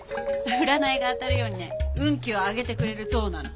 占いが当たるようにね運気を上げてくれる象なの。